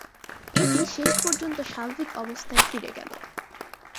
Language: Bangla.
এটি শেষ পর্যন্ত স্বাভাবিক অবস্থায় ফিরে গেল।